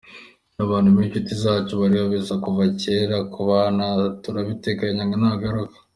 N’abantu b’inshuti zacu bari babizi kuva cyera, kubana turabiteganya nagaruka.